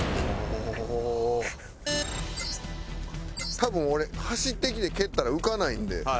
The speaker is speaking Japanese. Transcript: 多分俺走ってきて蹴ったら浮かないんで。